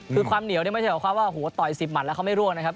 คือความเหนียวไม่ใช่แบบว่าโหต่อย๑๐หมันแล้วเขาไม่ร่วงนะครับ